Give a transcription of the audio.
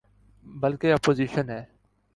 بلکہ اپوزیشن ہے۔